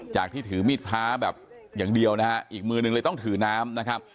ที่ถือมีดพระแบบอย่างเดียวนะฮะอีกมือหนึ่งเลยต้องถือน้ำนะครับ